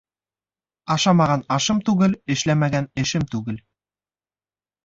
Ашамаған ашым түгел, эшләмәгән эшем түгел.